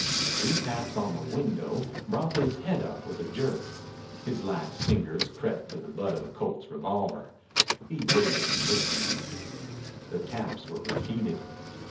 Three taps on the window brought his head up with a jerk. His lax fingers crept to the butt of a Colt's revolver. He waited, listening. The taps were repeated.